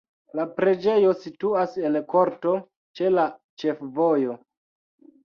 La preĝejo situas en korto ĉe la ĉefvojo.